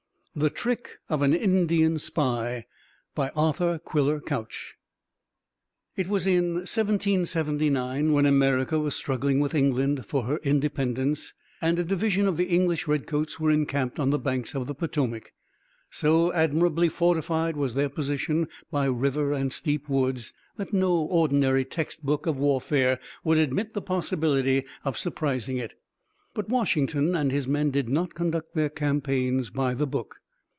_" THE TRICK OF AN INDIAN SPY By Arthur Quiller Couch It was in 1779, when America was struggling with England for her independence, and a division of the English redcoats were encamped on the banks of the Potomac. So admirably fortified was their position by river and steep woods, that no ordinary text book of warfare would admit the possibility of surprising it. But Washington and his men did not conduct their campaigns by the book.